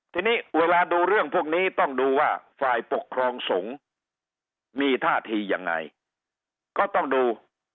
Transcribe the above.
ทีนี้เวลาดูเรื่องพวกนี้ต้องดูว่าฝ่ายปกครองสงฆ์มีท่าทียังไงก็ต้องดู